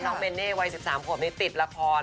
ลองเบนเน่วัย๑๓ผ่วงนี้ติดละคร